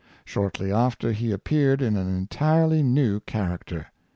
Shortly after he appeared in an entirely new character.